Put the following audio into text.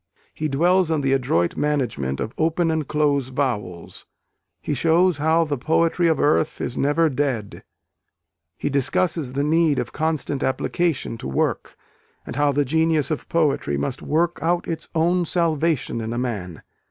He dwells on the adroit management of open and close vowels he shows how "the poetry of earth is never dead;" he discusses the need of constant application to work, and how "the genius of poetry must work out its own salvation in a man."